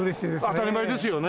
当たり前ですよね。